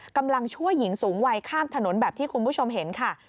กำลังช่วยหญิงสูงวัยข้ามถนนแบบที่คุณผู้ชมเห็นค่ะ